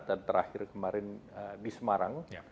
dan terakhir kemarin di semarang